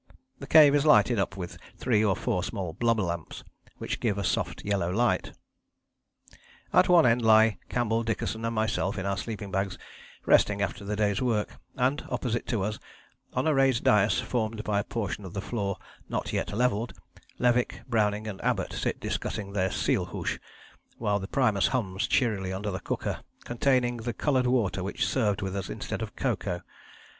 The cave is lighted up with three or four small blubber lamps, which give a soft yellow light. At one end lie Campbell, Dickason and myself in our sleeping bags, resting after the day's work, and, opposite to us, on a raised dais formed by a portion of the floor not yet levelled, Levick, Browning and Abbott sit discussing their seal hoosh, while the primus hums cheerily under the cooker containing the coloured water which served with us instead of cocoa.